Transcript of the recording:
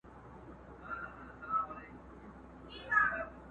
اوس پر څه دي جوړي کړي غلبلې دي!